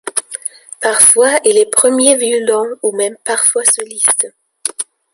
Parfois il est premier violon ou même parfois soliste.